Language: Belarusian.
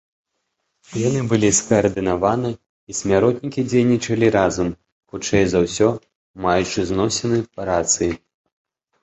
Яны былі скаардынаваны і смяротнікі дзейнічалі разам, хутчэй за ўсё, маючы зносіны па рацыі.